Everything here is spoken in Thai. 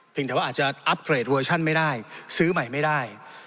แต่ว่าอาจจะอัพเกรดเวอร์ชั่นไม่ได้ซื้อใหม่ไม่ได้